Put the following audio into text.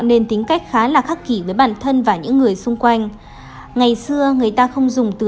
nên tính cách khá là khắc kỳ với bản thân và những người xung quanh ngày xưa người ta không dùng từ